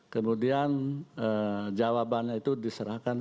kemudian jawabannya itu diserahkan